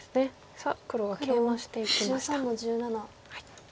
さあ黒はケイマしていきました。